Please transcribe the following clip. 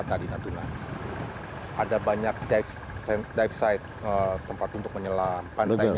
saya juga sudah berpikir apakah ini adalah potensi yang bisa diperlukan untuk menjaga kemampuan wisata di natuna